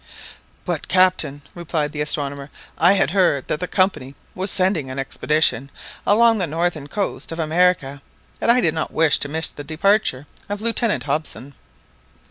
"But, Captain," replied the astronomer, "I heard that the Company was sending an expedition along the northern coast of America, and I did not wish to miss the departure of Lieutenant Hobson."